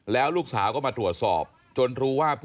ลูกติศรนามสกุลจันทรัพย์